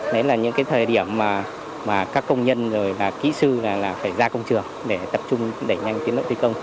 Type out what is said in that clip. đấy là những thời điểm mà các công nhân kỹ sư phải ra công trường để tập trung đẩy nhanh tiến đội thi công